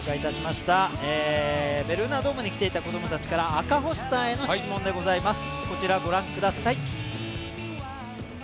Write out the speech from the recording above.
ベルーナドームに来ていた子供たちから赤星さんへ質問です。